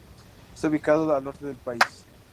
Está ubicado al norte del país.